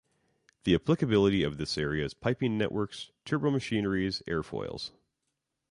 The applicability of this area is piping networks, turbo-machineries, airfoils.